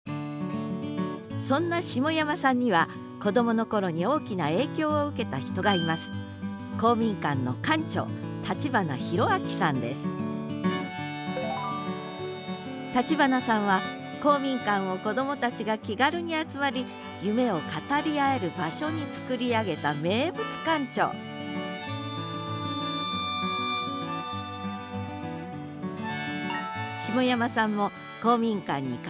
そんな下山さんには子どもの頃に大きな影響を受けた人がいます橘さんは公民館を子どもたちが気軽に集まり夢を語り合える場所につくり上げた名物館長下山さんも公民館に通った一人です。